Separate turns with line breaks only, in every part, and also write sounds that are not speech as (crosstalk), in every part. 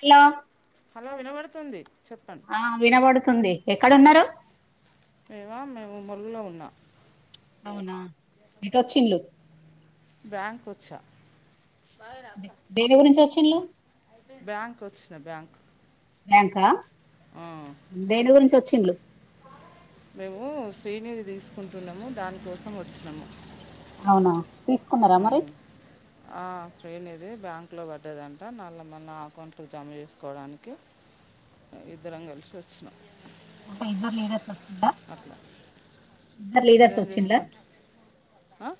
Hello
hello వినబడుతుంది చెప్పండి
ఆ వినబడుతుంది ఎక్కడున్నారు
మేవా మేము ములుగులో ఉన్నా
అవునా ఎటు వచ్చిన్లు
బ్యాంక్ వచ్చా
బేరే గురించి వచ్చిన్లు
బ్యాంకొచ్చిన బ్యాంక్
బ్యాంకా
ఆ,
దేని గురించి వచ్చిన్లు
మేము శ్రీనిది తీసుకుంటున్నాము దానికోసం వచ్చినము.
అవునా తీసుకున్నారా మరి
ఊమ్ ఆ శ్రీనిధి బ్యాంక్ లో పడ్డదంట నల మనా అకౌంట్లోకి జమ చేసుకోవడానికి అ ఇద్దరం కలిసొచ్చినం
అంటే ఇద్దరు లీడర్స్ వచ్చు
అట్లా
లీడర్స్
మీరేం
వచ్చిన్లా
చేస్తుంటారు ఆ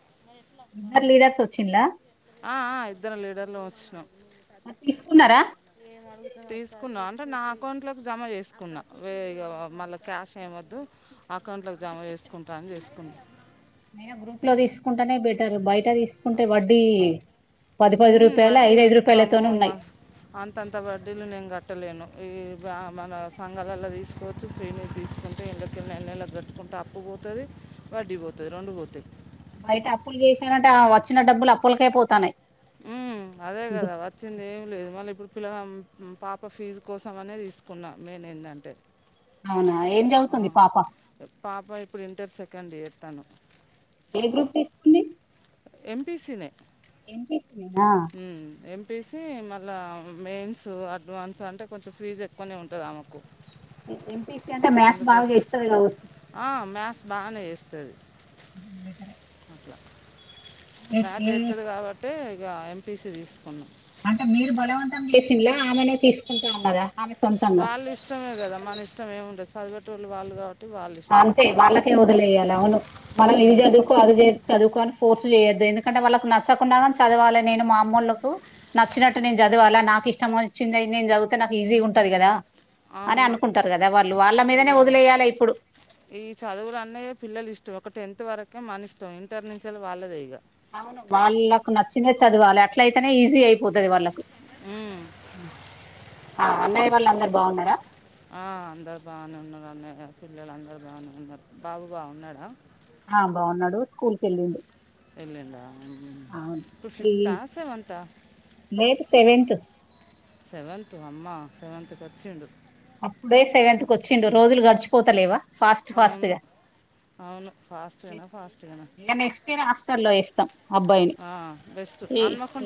మరి లీడర్స్ వచ్చిండ్ల
ఆ ఆ ఇద్దరు లీడర్లం వచ్చినం
అ తీసుకున్నారా
ఏ గదు తీసుకున్నా అంటే నా అకౌంట్ లోకి జమ చేసుకున్నా వే ఇక మళ్ళా క్యాష్ ఏమద్దు అకౌంట్లకు జమ జేసుకుంటా అని జేసుకున్
అయినా గ్రూప్లో దీసుకుంటనే బెటర్ బయట దీసుకుంటే వడ్డీ పది పది
ఉమ్,
రూపాయలు
వడ్డీ
ఐదు ఐదు
ఎక్కువ అమ్మో
రూపాయలతోనున్నై
మా అంతంత వడ్డీలు నేంగట్టలేను ఈ బా మన సంగాలల్ల తీసుకో శ్రీనిద్దీసుకుంటే మిత్తి నెల నెల గట్టుకుంటే అప్పు పోతది వడ్డీపోతది రొండు బోతై
బయటప్పులు జేసనంటే ఆ వచ్చిన డబ్బులు అప్పులకే పోతానై
ఊ అదే గదా చ్చిందేం లేదు మళ్ళ ఇప్పుడు పిల్లగాం మ్మ్ పాప ఫీజు కోసం అనే తీసుకున్నా మేన్ ఏందంటే
అవునా ఏం జదువుతుంది పాప
పాప ఇప్పుడు ఇంటర్ సెకండియర్ తను
ఏ గ్రూప్ తీస్
ఎమ్. పీ. సీ నే
ఎమ్. పీ. సి నేనా
ఉమ్ ఎమ్. పీ. సీ మళ్ళా మెయిన్సు అడ్వాన్సంటె కొంచెం ఫీజ్ ఎక్కువనే ఉంటదావకు
ఎం. పీ. సి అంటే మ్యాస్ బాగ జేస్తది గావచ్చు
ఆ మ్యాస్ బాగనే ఏస్తది
బెటరే
అట్ల
ఏ
మ్యాస్
ఏ
జేత్తది గాబట్టే ఇగా ఎంపీసీ దీసుకున్నం
అంటే మీరు బలవంతం జేసిన్లా ఆమనే తీసుకుంటా అన్నదా ఆమె సొంత
వాళ్ళిష్టమే గదా మనిష్టం ఏముంటది చదివేటోల్లు వాళ్ళు గా
అంతే వాళ్ళకే వదిలేయ్యాలె అవును మనం ఇవి
ఉమ్,
జదువు కో అది జేయొద్దు చదువుకో అని ఫోర్స్ చేయొద్దు ఎందుకంటె వాళ్ళకు నచ్చకుండాగాని చదవాలె నేను మా అమ్మోళ్లకు నచ్చినట్టు నేను జదువాలా నాకిష్టమొచ్చింది నేను జదువుతే నాకు ఈజీగుంటది గదా అని
అవును
అనుకుంటరు గదా వాళ్ళు
ఇక
వాళ్ళమీదనే వదిలేయ్యాలే ఇప్పుడు
ఈ చదువులన్నీ పిల్లలిష్టం ఒక టెన్త్ వరకే మనిష్టం ఇంటర్ నించెల్లి వాళ్ళదె ఇగ
అవును వాళ్ళకు నచ్చినది చదవాలె అట్లయితనే ఈజీ అయి పోతది వాళ్ళకు
ఉమ్,
ఆ అన్నయ్య వాళ్లందరు బావున్నరా
ఆ అందరు బాగనే ఉన్నరు అన్నయ పిల్లలందరు బాగనే ఉన్నారు బాబు బాగున్నడా
హా బావున్నడు స్కూల్కెళ్ళిండు
ఎల్లిందా
అవును ఈ
సెవెంతా
డేట్ సెవెన్త్
సెవెంతు అమ్మా సెవెంతుకొచ్చిండు
అప్పుడే సెవెంత్ కొచ్చిండు రోజులు గడిచిపోతలేవా ఫాస్ట్ ఫాస్ట్
అవును
గా
అవును ఫాస్ట్గనా ఫాస్ట్గనా
అందుకనే హాష్టల్లో ఏస్తం
ఆ బెస్టు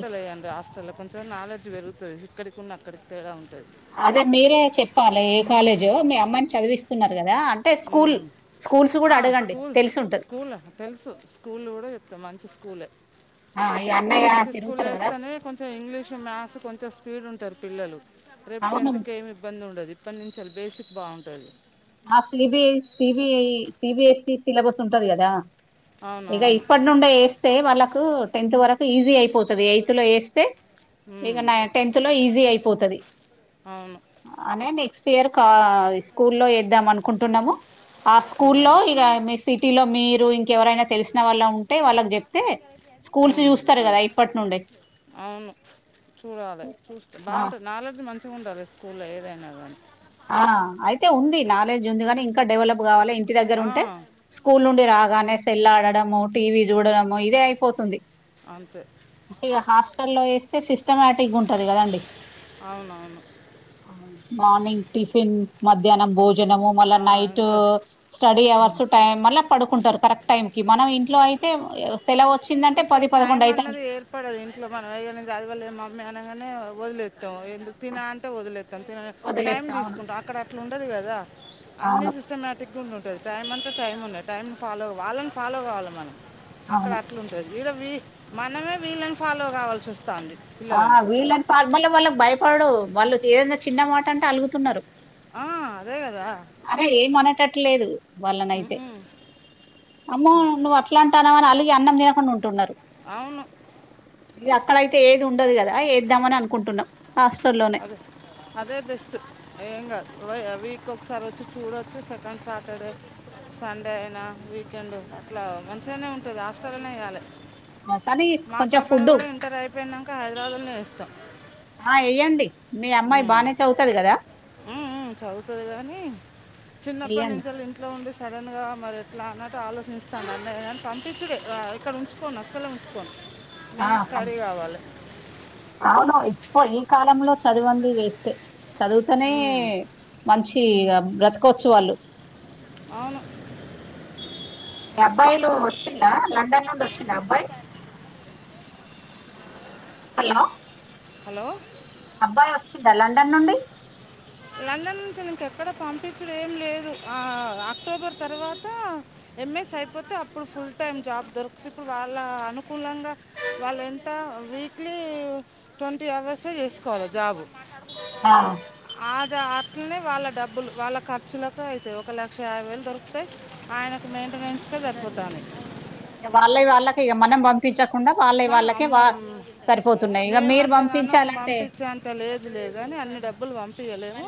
ఈ-
హస్టల్ల కొన్ చం నాలడ్జ్ పెరుగుతది ఇక్కడికున్నక్కడికి తేడా ఉంటది
అదే మీరే చెప్పాలె ఏ కాలేజో మీ అమ్మాయిన్ చదివిస్ తున్నరు గదా అంటే స్కూల్
మ్మ్.
స్కూల్స్ గూడ
ఆ,
అడగండి
స్కూల్
తెలిసుంటది
స్కూల్ తెలుసు స్కూల్లు గూడ చెప్తం మంచి స్కూల్లే
ఆ ఈ అన్నయ్య
మంచి
తిరుగుతారు కదా
స్కూల్లేస్తనే కొం చం ఇంగ్లీషు మ్యాసు కొంచం స్పీడుంటరు పిల్లలు రేప్
అవును
టెన్త్ కేమిబ్బందుండదు ఇప్పన్నుంచొల్లి బేసిక్ బావుంటది
ఆ సిబి సిబిఐ సిబిఎస్సి సిలబస్ ఉంటది గదా ఇగ
అవునవును
ఇప్ప ట్నుండే ఏస్తే వాళ్ళకూ టెన్త్ వరకు ఈజీ అయిపోతది ఎయిత్లో ఏస్తే ఇగ
మ్మ్.
నా టెన్త్ లో ఈజీ అయిపోతాది
అవును
అనే నెక్స్ట్ ఇయర్ కా స్కూల్లో యేద్దామనుకుంటున్నాము ఆ స్కూల్లో ఇక మీ సిటీలో మీరు ఇంకెవరైనా తెలిసిన వాళ్ళ ఉంటే వాళ్ళకి చెప్తే స్కూల్స్
మ్మ్.
చూస్తారు కదా ఇప్పటి నుండే
అవును చూడాలే చూస్తే
ఆ
బాగుంటాది నాలెడ్జ్ మంచిగా ఉండాలే స్కూల్లో ఏదైనా కానీ
ఆ అయితే ఉంది నాలెడ్జ్ ఉంది కాని ఇంకా డెవలప్ కావాలే ఇంటి దగ్గర
ఆ,
ఉంటే స్కూల్ నుండి రాగానే సెల్ల్ ఆడడము టీవీ చూడడము ఇదే అయిపోతుంది
అంతే
మళ్ళా హాస్టల్లో వేస్తే సిస్టమాటిక్ గా ఉంటది కదండి
అవునవును
మార్నింగ్ టిఫిన్ మధ్యాహ్నం భోజన భోజనము మళ్ళా
ఆ,
నైట్
ఇంకా
స్టడీ అవర్స్ టైం మళ్ళా పడుకుంటారు కరెక్ట్ టైం కి మనం ఇంట్లో అయితే సెలవు వచ్చిందంటే
కొంచెం
పది
టైం
పదకొండు అయితాది
అన్నది ఏర్పడదు ఇంట్లో మనం ఏ అదిపల్లేదు మా అమ్మ అనగానే వదిలేత్తాం ఎందు తిన అంటే వదిలేత్తం తిన టైమ్
వదిలేస్తా అవును
తీసుకుంటాం అక్కడ అట్లా ఉండదు కదా అన్ని
అవును
సిస్టమాటిక్ ఇకున్న ఉంటాది టైం అంటే టైం ఉన్నాయి టైం ఫాలో వాళ్ళని ఫాలో కావాల్ల మనం అక్కడ
అవును
అట్లుంటది ఇడ వీ మనమే వీళ్ళని ఫాలో కావాల్సి వస్తాంది
ఆ వీళ్ళని ఫా మళ్ళ వాళ్ళకి భయపడడు వాళ్ళు ఏదన్నా చిన్న మాట అంటే అలుగుతున్నారు
ఆ అదే కదా
అరే ఏమ్ అనేటాట్లు లేదు వాళ్ళనైతే
ఉమ్మ్.
అమ్మో నువ్వ్ అట్లా అంటాన్నావ అని అలిగి అన్నం తినకుండా ఉంటున్నారు
అవును
అ అక్కడయితే ఏది ఉండదు కదా యేద్దామని అనుకుంటున్నాం హాస్టల్లో
(unintelligible) అదే బెస్ట్ ఏం కాదు వీక్ ఒకసారి వచ్చి చూడొచ్చు సెకండ్ సాటర్డే సండే అయినా వీకెండ్ అట్లా మంచిగానే ఉంటాది హాస్టల్లోనే ఏయ్యాలే
ఆ, కానీ
మా
కొంచెం
పాపను
ఫుడ్
కూడా ఇంటర్ అయిపోయినాంక హైదరాబాదులోనే యేస్తాం
ఆ ఏయ్యండి మీ అమ్మాయి బానే చదువుతాది కదా
ఆ చదువుతాది కాని చిన్నప్పటి
వెయ్యండి
నుంచి ఇంట్లో ఉండి సడన్ గా మరి ఎట్లా అన్నట్టు ఆలోచిస్తాన్న నేను ఏమ్ పంపించ్చుడే ఇక్కడ ఉంచుకోను అస్సలే ఉంచుకోను
ఆ
మేము స్టడీ
పం-
కావాలే
అవును ఇప్పు ఈ కాలంలో చదవంది వేస్ట్ ఏ చదువుతానే
ఉమ్,
మంచి ఇగ బ్రతకొచ్చు వాళ్ళు
అవును
మీ అబ్బాయిలు వచ్చిండా లండన్ నుండి వచ్చిండా అబ్బాయి హలో
హలో
అబ్బాయి వచ్చిండా లండన్ నుండి
లండన్ నుంచి ఇంక ఎక్కడా పంపించ్చుడు ఏం లేదు ఆ అక్టోబర్ తర్వాత ఎంఎస్ అయిపోతే అప్పుడు ఫుల్ టైమ్ జాబ్ దొరుకుతుంది ఇప్పుడు వాళ్ళ అనుకూలంగా వాళ్ళు ఎంత వీక్లీ ట్వంటీ అవర్స్ ఏ చేసుకోవాలే జాబు
అవూ
ఆదా అట్లానే వాళ్ళ డబ్బులు వాళ్ళ ఖర్చులకు అయితాయి ఒక లక్ష యాభై వేలు దొరుకు తే ఆయనకు మెయింటెనెన్స్ కే సరిపోతాన్నాయి
వాళ్ళవి వాళ్ళకి ఇగ మనం పంప్ పంపించకుండా వాళ్ళ
మనం
వాళ్ళకే
అమ్మ
వా సరిపోతున్నాయి ఇక మీరు పంపించాలంటే
అంత లేదులే గాని అన్ని డబ్బులు పంపించలేము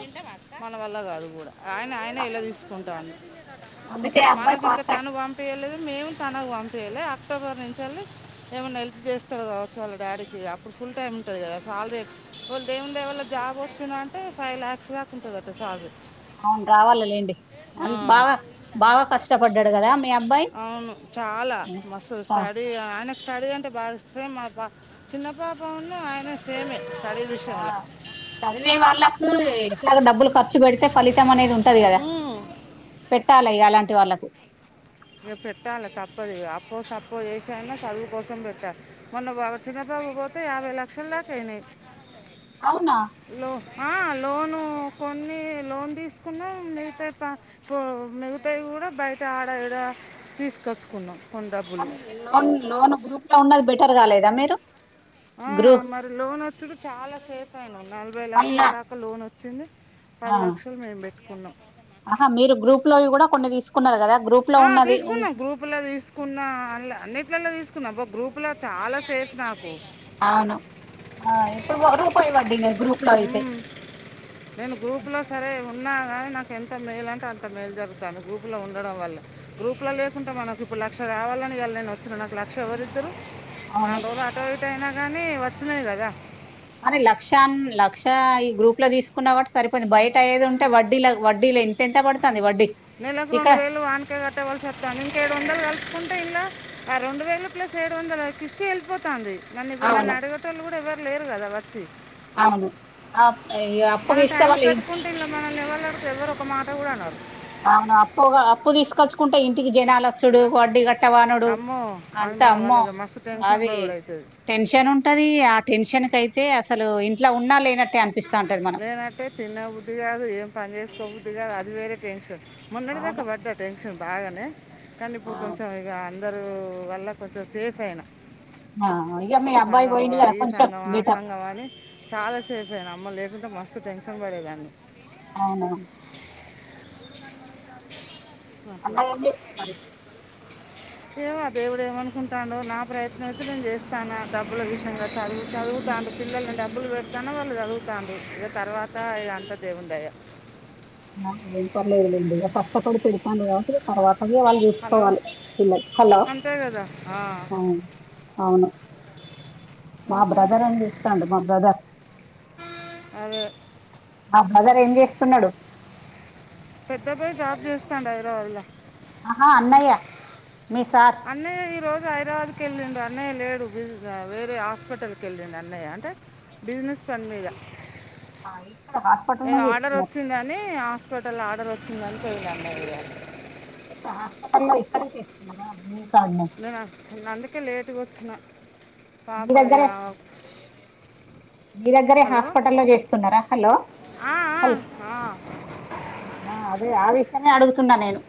మన వల్ల కాదు కూడా ఆయన ఆయన ఇలా తీసుకు కుంటా
అందుకే అబ్బాయి
మనకి ఇంకా
పాస్ అయి
తను పం యలేదు మేము తనకు వంపేయాలి అక్టోబర్ నుంచి వెళ్ళి ఏమైనా హెల్ప్ చేస్తారు కవచ్చు వాళ్ళ డాడీకి అప్పుడు ఫుల్ టైం ఉంటుంది కదా సాలరీ ఒకవేళ దేవుని దయవల్ల జాబ్ వచ్చింద అంటే ఫైవ్ లాక్స్ దాకా ఉంటుంది అట శాలరీ
అవును రావాలలేండి అంత బాగా బాగా కష్టపడ్డాడు కదా మీ అబ్బాయి
అవును చాలా మస్తు
ఆ
స్టడీ ఆన్ స్టడీ అంటే బాగా సేమ్ మా పా చిన్న పాప ఉన్న ఆయన సేమే స్టడీ
ఆ,
విషయంలో
చదివే వాళ్ళకు ఎట్లాగ డబ్బులు ఖర్చు పెడితే ఫలితం అనేది ఉంటుంది ఉంటది కదా
ఉమ్,
పెట్టాలి ఇగ అలాంటి వాళ్ళకు
ఇంకా పెట్టాలి తప్పదు ఇగ అప్పో సప్పో చేసైనా చదువు కోసం పెట్టాలి మొన్న బబు చిన బబు పోతే యాబై లక్షల దాకా అయినీ
అవునా
లో లోను కొన్ని లోన్ తీసుకున్నాం మిగతాయీ ప మిగతాయి కూడా బయట ఆడడ తీసుకొచ్చుకున్నాం కొన్ని డబ్బులు
కానీ లోన్ లోన్ గ్రూప్ లో ఉన్నది బెటర్ కాలేదా మీరు
ఆ
గ్రూ
మరి లోన్ వచ్చడు చాలా సేఫయినా నలభై లక్షల
మళ్ళా
దాకా లోన్ వచ్చింది పది లక్షలు మేము పెట్టుకున్నాం
అహా మీరు గ్రూప్ లోవి కూడా కొన్ని తీసుకున్నారు కదా గ్రూప్ లో
ఆ
ఉన్నది ఉం,
తీసుకున్నాం గ్రూప్ గ్రూప్ లో తీసుకున్న అన్నిట్లలో తీసుకున్నా ఒక గ్రూప్ లో చాలా సేఫ నాకు
అవును ఎప్పుడు రూపాయి వడ్డీనే గ్రూప్ లో అయితే
ఉమ్. నేను గ్రూప్లో సరే ఉన్నా కానీ నాకు ఎంత మేలుంటే అంత మేలు జరుగుతుంది గ్రూప్లో ఉండడం వల్ల గ్రూప్లో లేకుంట మనకు ఇప్పుడు లక్ష కావాలని ఇవాళ నేను వచ్చిన నాకు లక్ష ఎవరిస్తారు నా
అవును
రోజులు అటో ఇటో అయినా కానీ వచ్చినయి కదా
అదే లక్ష లక్ష ఈ గ్రూప్ లో తీసుకున్నవ్ కాబట్టి సరిపోయింది బయట అయ్యేది ఉంట ఉంటే వడ్డీల వడ్డీలో ఇంత ఎంట పడుతుంది వడ్డీ
నెలకు
ఇక్కడ
రెండు వేలు వా చక్కే కట్టేవాళ్ళు వస్తాను ఇంక ఏడు వందలు కలుసుకుంటే ఇంలా ఆ రెండు వేలు ప్లస్ ఏడు వందలకిస్తే వెళ్ళిపోతుంది కానీ ఇప్పుడు
అవును
నన్నుడగట వాళ్ళ కూడా ఎవ్వరు లేరు కదా వచ్చి
అవును ఆప్పయితే ఇక
మనం టైం కట్టుకుంటే ఇంలో మనల్ని ఎవరుడుతే ఎవరు ఒక మాట కూడా అన్నారు
అవును అప్పు అప్పు తీసుకొచ్చుకుంటే ఇంటికి జనాలు డు వడ్డీ కట్టమానుడు
అమ్మో అది
అంత
మన
అమ్మ
వాళ్ళకి మస్తు టెన్షన్
అది
బాగుడు అవుతుంది
టెన్షన్ ఉంటది ఆ టెన్షన్ కి. అయితే అసలు ఇంట్లో ఉన్నా లేనట్టే అనిపిస్త ఉంటుంది మనం
లేనట్టే తినబద్ది కాదు ఏం పని చేసుకోబుద్దు కాదు అది వేరే టెన్షన్
అవును
మన్నటిదాకా బట్ట టెన్షన్ బాగానే కానీ
ఆ,
ఇప్పుడు కొంచెం ఇక ఇందరు వల్ల కొంచెం సేఫ్ అయినా
ఆ ఈ ఎమ్ ఐ
సంఘం ఈ సంఘం ఆ సంఘం అని చాలా సేఫ్ అయిన అమ్మో లేకుంటే మస్తు టెన్షన్ పడేదాన్ని
అవునా
అట్ల
అ
ఏవో దేవుడుేమనుకుంటాడో నా ప్రయత్నం అయితే నేను చేస్తాను డబ్బుల విషయంగా చదువు చదువుతాడు పిల్లల్ని డబ్బులు పెడతానే వాళ్ళు చదువుతారు ఇగ తర్వాత ఇది అంత ఇంగ దేవుని దయ
(unintelligible) ఒకటిటి తర్వాతగా వాళ్ళు
హలో
చూసుకోవాలి పిల్లలు
అంతే కదా ఆ.
అవును మా
ఇంకా
బ్రదర్ అని చెప్స్తాండు మా బ్రదర్
అదే
ఆ బ్రదర్ ఏం చేస్తున్నాడు
పెద్దదే జాబ్ చేస్తా ఉన్నాడు (unintelligible)
ఆహా అన్నయ మీ
అన్నయ్య ఈరోజు హైదరాబాద్కి వెళ్ళిండు అన్నయ్య లేడుజ వేరే హాస్పిటల్కి వెళ్ళిండు అన్నయ్య అంటే బిజినెస్ పని మీద
ఆ ఇక్కడ హాస్పిటల్నే
ఏదో ఆర్డర్
చేస్తున్నారు
వచ్చిందని టోటల్ ఆర్డర్ వచ్చిందని (unintelligible)
ఇప్పుడు హాస్పిటల్ లో ఇక్కడ చేస్తున్నారా అన్ని కా
(unintelligible) అందుకే లేటుగా వస్తున్న
మీ
పాప ఇగ
దగ్గరే మీ దగ్గరే హాస్పిటల్లో చేస్తున్నార హలో
ఆ, ఆ,
హలో
ఆ.
అదే ఆ విషయమే అడుగుతున్నా నేను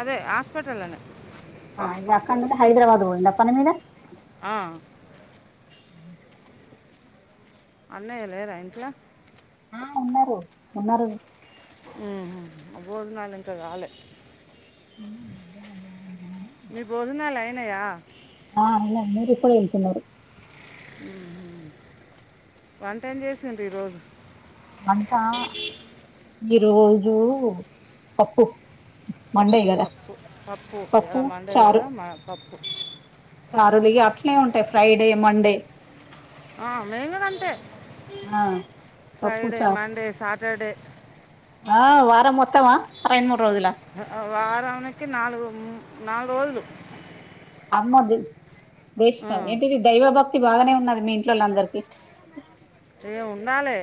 అదే హాస్పిటలోనే
(unintelligible) హైదరాబాద్ (unintelligible) పని మీద
ఆ అన్నయ లేరా ఇంట్లా
ఆ ఉన్నారు ఉన్నారు
(unintelligible) ఇంకా కాలే
తిన్నాను, మధ్యాహ్నం భోజనం తిన్నాను.
మీ భజనాలు అయినాయ
ఆ అయినాయ్ మీరు కూడా వెళ్తున్నారు
వంట ఏం చేసిండు ఈరోజు
వంట ఈ రోజు పప్పు మండే కదా
పప్పు పప్పు ఈయల మండే కదా పప్పు
(unintelligible) అట్నే ఉంటాయి ఫ్రైడే మండే
ఆ మేం గూడ అంతే
ఆ, పప్పు
ఫ్రైడే
చారు
మండే సాటర్డే
ఆ వారం మొత్తమ రెండు మూడు రోజుల
వారానికి నాలుగు నాలుగు రోజులు
అమ్మో (unintelligible) దేశ ఏంటది దైవభక్తి బాగానే ఉన్నది మీ ఇంట్లోళ అందరికీ
ఇగ ఉండాలి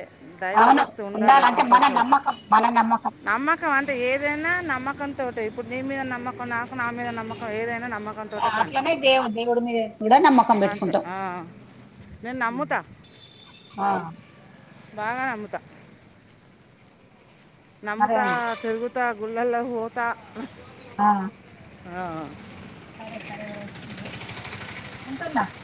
అవును
దైవభక్తి ఉండాలి
ఉండాలంటే మన
కంపల్సరీ
నమ్మకం మన నమ్మకం
నమ్మ నమ్కం అంటే ఏదైనా నమ్మకం తోటే ఇప్పుడు నీ మీద నమ్మకం నాకు నా మీద నమ్మకం ఏదైనా నమ్మకం
అట్లనే దేవు దేవుడి మీద కూడ నమ్మకం
అంతే
పెట్టుకుంటాం
ఆ. నేను నమ్ముత
ఆ
బాగా నమ్ముతా
సరే
నమ్త
అండి
తిరుగుత గుళ్ళలోకి పోత
ఆ
ఆ
సరే సరే (unintelligible)